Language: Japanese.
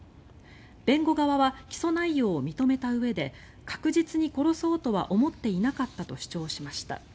弁護側は起訴内容を認めたうえで確実に殺そうとは思っていなかったと主張しました。